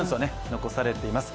残されています。